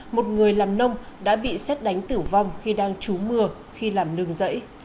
một người làm nông đã bị xét đánh tử vong khi đang trú mưa khi làm nương rẫy